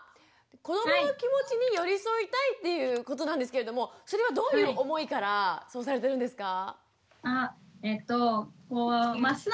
子どもの気持ちに寄り添いたいっていうことなんですけれどもそれはどういう思いからそうされてるんですか？